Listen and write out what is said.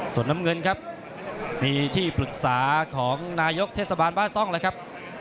ส่วนน้ำเงินครับมีที่ปรึกษาของนายกเทศบาลบ้านซ่องแล้วครับ